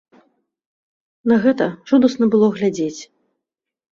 На гэта жудасна было глядзець.